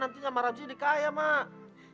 nantinya sama ramji dikaya emak